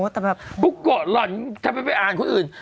แต่แบบปุ๊กเกาะหล่อนไปอ่านคนอื่น